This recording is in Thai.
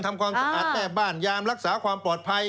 ทำความสะอาดแม่บ้านยามรักษาความปลอดภัย